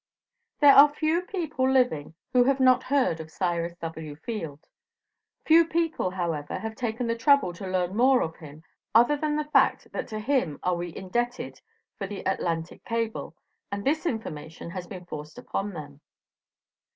There are few people living who have not heard of Cyrus W. Field. Few people, however, have taken the trouble to learn more of him other than the fact that to him are we indebted for the Atlantic Cable, and THIS information has been forced upon them.